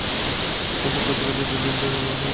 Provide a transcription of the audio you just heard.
এসব করতে করতে ঈদের দিনটা কীভাবে পার হয়ে যায়, টেরই পান না।